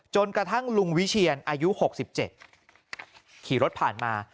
จนกระทั่งลุงวิเชียนอายุ๖๗ขี่รถผ่านมา